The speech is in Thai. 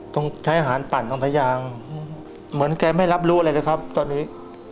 ต้องใช้อาหารปั่นออกมาอย่างเหมือนแกไม่รับรู้เลยนะครับตอนนี้